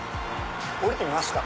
降りてみますか。